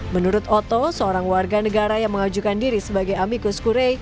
menurut otto seorang warga negara yang mengajukan diri sebagai amikus korea